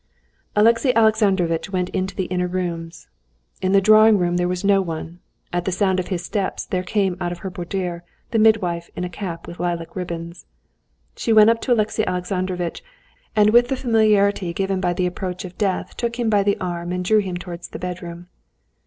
Alexey Alexandrovitch went into the inner rooms. In the drawing room there was no one; at the sound of his steps there came out of her boudoir the midwife in a cap with lilac ribbons. She went up to Alexey Alexandrovitch, and with the familiarity given by the approach of death took him by the arm and drew him towards the bedroom.